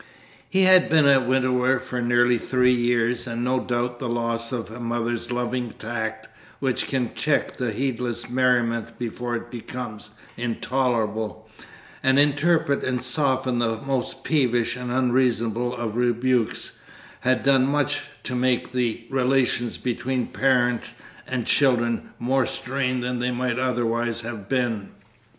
He had been a widower for nearly three years, and no doubt the loss of a mother's loving tact, which can check the heedless merriment before it becomes intolerable, and interpret and soften the most peevish and unreasonable of rebukes, had done much to make the relations between parent and children more strained than they might otherwise have been.